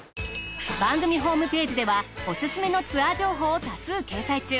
番組ホームページではおすすめのツアー情報を多数掲載中。